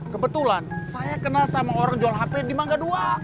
kebetulan saya kenal sama orang jual hp di mangga dua